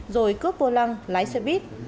rồi cướp vô lăng lái xe buýt